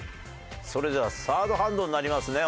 それではサードハンドになりますね。